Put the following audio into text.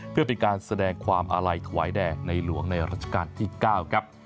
เพื่อเป็นการแสดงความอาลัยถวายแด่ในหลวงในรัชกาลที่๙ครับ